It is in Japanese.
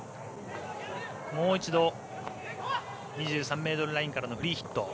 もう一度、２３ｍラインからのフリーヒット。